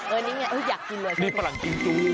อันนี้ไงอยากกินเลยนี่ฝรั่งกิมจู